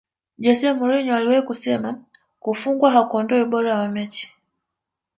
jose mourinho aliwahi kusema kufungwa hakuondoi ubora wa mechi